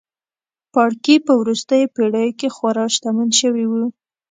پاړکي په وروستیو پېړیو کې خورا شتمن شوي وو.